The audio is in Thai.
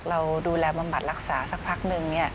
เราดูแลบำบัดรักษาสักพักนึง